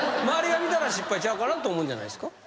周りが見たら失敗ちゃうかなと思うんじゃないですか？